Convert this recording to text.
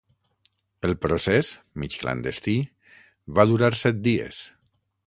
El procés, mig clandestí, va durar set dies.